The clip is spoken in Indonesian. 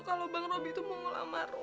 kalau bang robi tuh mau ngelamar rum